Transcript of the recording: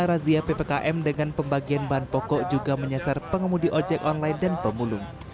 razia ppkm dengan pembagian bahan pokok juga menyasar pengemudi ojek online dan pemulung